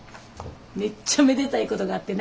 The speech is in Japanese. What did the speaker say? めっちゃめでたいことがあってな。